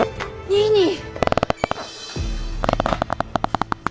ニーニー！